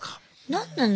何なの！